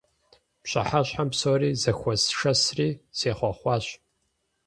Пщыхьэщхьэм псори зэхуэсшэсри сехъуэхъуащ.